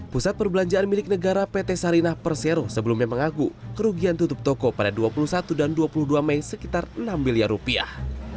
pusat perbelanjaan milik negara pt sarinah persero sebelumnya mengaku kerugian tutup toko pada dua puluh satu dan dua puluh dua mei sekitar enam miliar rupiah